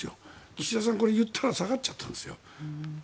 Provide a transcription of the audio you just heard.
岸田さん言ったら下がっちゃったんです。